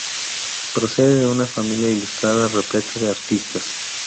Procede de una familia ilustrada repleta de artistas.